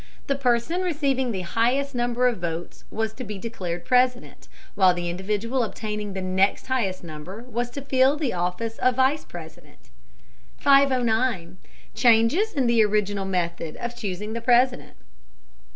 The person receiving the highest number of votes was to be declared President, while the individual obtaining the next highest number was to fill the office of Vice President. 509. CHANGES IN THE ORIGINAL METHOD OF CHOOSING THE PRESIDENT.